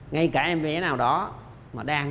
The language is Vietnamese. ngay cả em bé nào đó mà đang